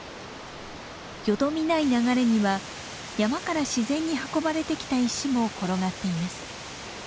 よどみない流れには山から自然に運ばれてきた石も転がっています。